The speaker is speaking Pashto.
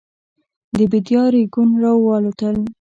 د بېدیا رېګون راوالوتل.